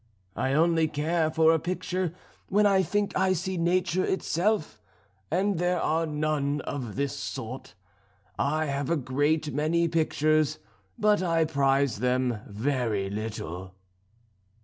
I only care for a picture when I think I see nature itself; and there are none of this sort. I have a great many pictures, but I prize them very little."